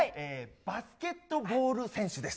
バスケットボール選手です。